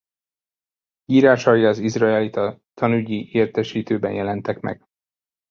Írásai az Izraelita Tanügyi Értesítőben jelentek meg.